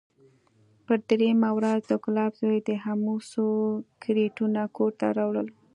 پر درېيمه ورځ د ګلاب زوى د امو څو کرېټونه کور ته راوړل.